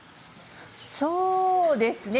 そうですね。